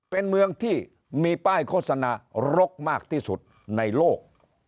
เป็นเมืองที่มีป้ายโฆษณารกมากที่สุดในโลก